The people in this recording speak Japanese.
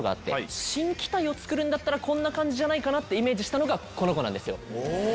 新機体を作るんだったらこんな感じじゃないかなってイメージしたのがこの子なんですよ。